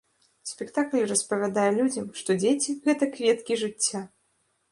Спектакль распавядае людзям, што дзеці гэта кветкі жыцця!